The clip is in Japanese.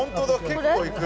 結構いく。